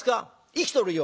「生きとるよ。